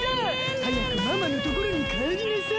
はやくママのところにかえりなさい。